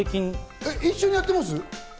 一緒にやってます？